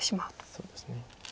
そうですね。